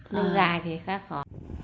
nên dài thì khá khó